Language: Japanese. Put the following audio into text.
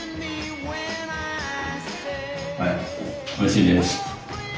はいおいしいです！